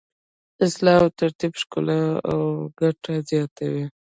اصلاح او ترتیب ښکلا او ګټه زیاتوي.